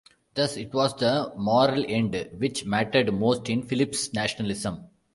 Thus, it was the moral end which mattered most in Phillips' nationalism.